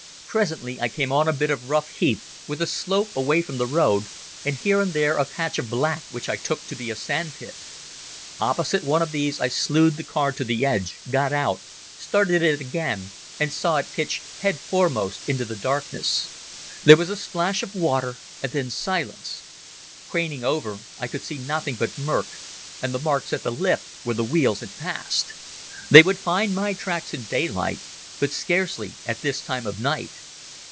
Presently I came on a bit of rough heath, with a slope away from the road and here and there a patch of black which I took to be a sandpit. Opposite one of these I slewed the car to the edge, got out, started it again and saw it pitch head foremost into the darkness. There was a splash of water and then silence. Craning over I could see nothing but murk, and the marks at the lip where the wheels had passed. They would find my tracks in daylight but scarcely at this time of night.